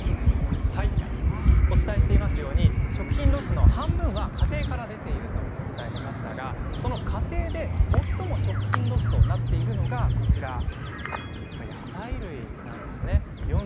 お伝えしているように食品ロスの半分は家庭から出ていますがその家庭で最も食品ロスになっているのが野菜類なんです。